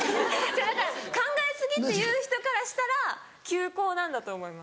だから考え過ぎって言う人からしたら急行なんだと思います。